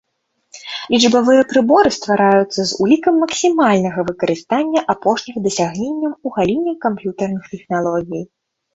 Лічбавыя прыборы ствараюцца з улікам максімальнага выкарыстання апошніх дасягненняў у галіне камп'ютэрных тэхналогій.